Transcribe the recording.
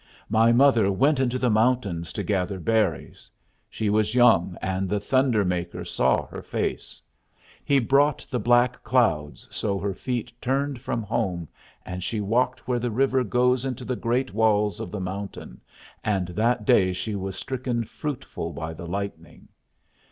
My mother went into the mountains to gather berries. She was young, and the thunder maker saw her face. He brought the black clouds, so her feet turned from home, and she walked where the river goes into the great walls of the mountain, and that day she was stricken fruitful by the lightning.